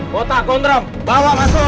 kota gondram bawa masuk